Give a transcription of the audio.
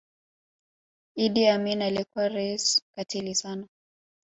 idi amin alikuwa raisi katili sana